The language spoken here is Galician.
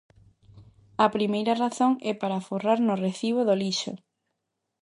A primeira razón é para aforrar no recibo do lixo.